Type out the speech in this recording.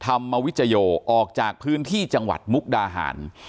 ธรรมวิจโยออกจากพื้นที่จังหวัดมุกดาหาร